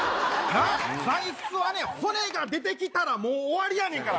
座いすはね、骨が出てきたらもう終わりやねんから。